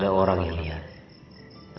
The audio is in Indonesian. ada orang yang lihat